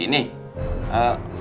eh lu cari siapa